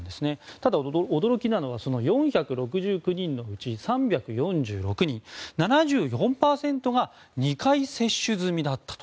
ただ、驚きなのはその４６９人のうち３４６人、７４％が２回接種済みだったと。